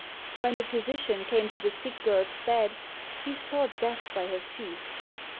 When the physician came to the sick girl's bed, he saw Death by her feet.